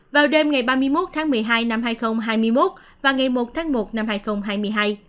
vào đêm ngày ba mươi một tháng một mươi hai năm hai nghìn hai mươi một và ngày một tháng một năm hai nghìn hai mươi hai